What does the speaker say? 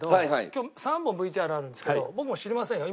今日３本ＶＴＲあるんですけど僕も知りませんよ